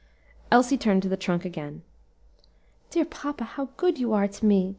Elsie turned to the trunk again. "Dear papa, how good you are to me!"